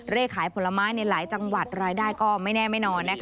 ขายผลไม้ในหลายจังหวัดรายได้ก็ไม่แน่ไม่นอนนะคะ